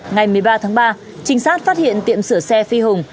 ngày một mươi ba tháng ba trinh sát phát hiện tiệm sửa xe phi hùng